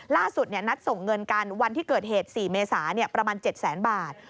ล่าสุดนัดส่งเงินกันวันที่เกิดเหตุ๔เมษาประมาณ๗แสนบาท